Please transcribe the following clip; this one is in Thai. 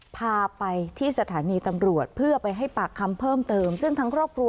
พาไปที่สถานีตำรวจเพื่อไปให้ปากคำเพิ่มเติมซึ่งทั้งครอบครัว